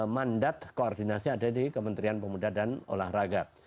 mandat koordinasi ada di kementerian pemuda dan olahraga